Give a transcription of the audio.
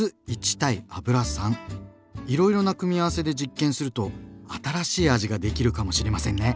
いろいろな組み合わせで実験すると新しい味ができるかもしれませんね！